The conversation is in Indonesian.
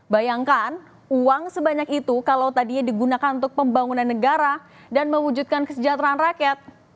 bayangkan uang sebanyak itu kalau tadinya digunakan untuk pembangunan negara dan mewujudkan kesejahteraan rakyat